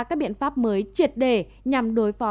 các biện pháp mới triệt đề nhằm đối phó